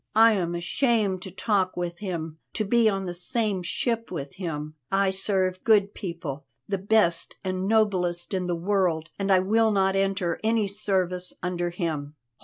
I am ashamed to talk with him, to be on the same ship with him. I serve good people, the best and noblest in the world, and I will not enter any service under him."